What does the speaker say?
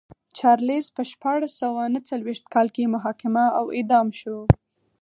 چارلېز په شپاړس سوه نه څلوېښت کال کې محاکمه او اعدام شو.